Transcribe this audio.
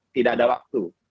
tidak ada waktu